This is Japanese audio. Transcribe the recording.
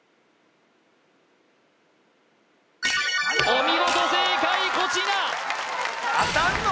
お見事正解こちな！